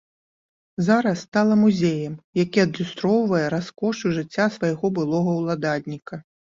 Зараз стала музеем, які адлюстроўвае раскошу жыцця свайго былога ўладальніка.